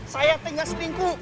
saya teh gak selingkuh